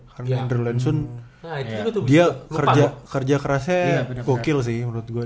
karena andrew lansun dia kerja kerasnya gokil sih menurut gua